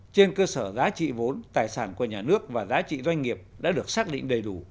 trên cơ sở giá trị vốn tài sản của nhà nước và giá trị doanh nghiệp đã được xác định đầy đủ